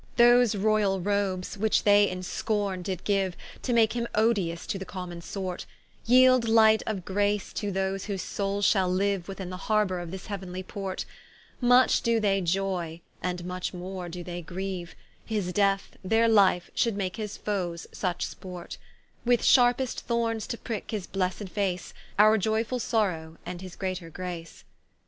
Those royall robes, which they in scorne did giue, To make him odious to the common sort, Yeeld light of grace to those whose soules shall liue Within the harbour of this heauenly port; Much doe they joy, and much more do they grieue, His death, their life, should make his foes such sport: With sharpest thornes to pricke his blessed face, Our joyfull sorrow, and his greater grace.